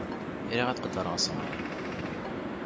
Riɣ ad qeddreɣ asɣar.